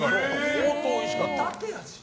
相当おいしかった。